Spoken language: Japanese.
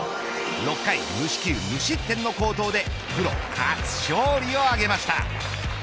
６回、無四球無失点の好投でプロ初勝利を挙げました。